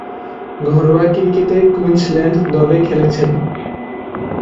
ঘরোয়া ক্রিকেটে কুইন্সল্যান্ড দলে খেলেছেন।